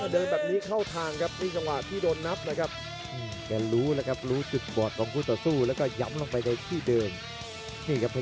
แล้วต้องบอกว่าการเร่งของเขาก็เป็นผลล่ะครับ